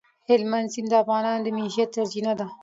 هلمند سیند د افغانانو د معیشت سرچینه ده.